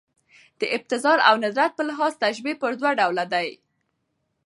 د ابتذال او ندرت په لحاظ تشبیه پر دوه ډوله ده.